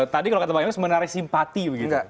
tadi kalau kata pak emes menarik simpati